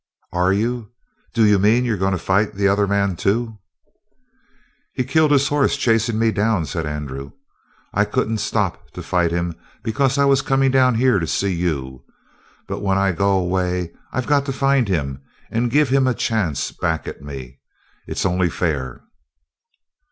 "Are you do you mean you're going to fight the other man, too?" "He killed his horse chasing me," said Andrew. "I couldn't stop to fight him because I was comin' down here to see you. But when I go away I've got to find him and give him a chance back at me. It's only fair."